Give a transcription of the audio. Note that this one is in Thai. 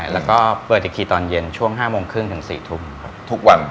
แล้วก็เปิดอีกทีตอนเย็นช่วง๕โมงครึ่งถึง๔ทุ่มทุกวัน